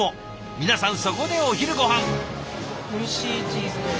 皆さんそこでお昼ごはん。